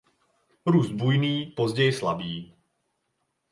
Růst bujný později slabý.